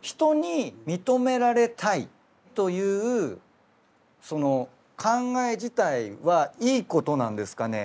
人に認められたいというその考え自体はいいことなんですかね？